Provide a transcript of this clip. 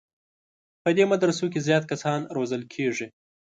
په دې مدرسو کې زیات کسان روزل کېږي.